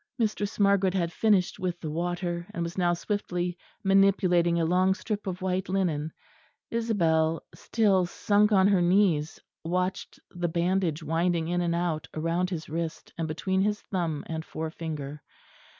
Mistress Margaret had finished with the water; and was now swiftly manipulating a long strip of white linen. Isabel still sunk on her knees watched the bandage winding in and out round his wrist, and between his thumb and forefinger.